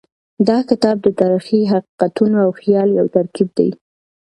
دا کتاب د تاریخي حقیقتونو او خیال یو ترکیب دی.